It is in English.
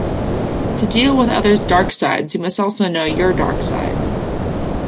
To deal with others' dark sides, you must also know your dark side.